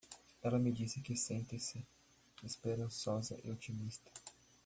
Ela me disse que se sente esperançosa e otimista.